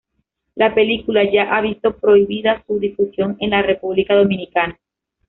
La película ya ha visto prohibida su difusión en la República Dominicana.